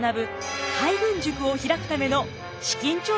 海軍塾を開くための資金調達でした。